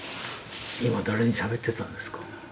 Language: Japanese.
今誰にしゃべってたんですか？